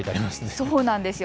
そこなんですよ。